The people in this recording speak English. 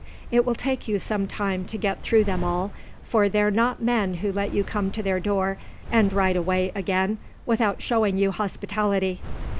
It will take you some time to get through them all, for they're not men who let you come to their door and ride away again without showing you hospitality.